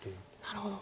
なるほど。